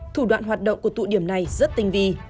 thủ đoạn hoạt động của tụ điểm này rất tinh vi